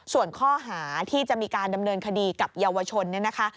ส่วนข้อหาที่จะมีการดำเนินคดีกับเยาวชนเนี่ยนะคะ